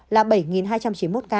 là bảy hai trăm chín mươi một ca